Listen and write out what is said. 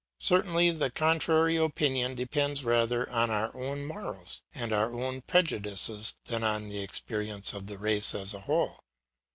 Certainly the contrary opinion depends rather on our own morals and our own prejudices than on the experience of the race as a whole.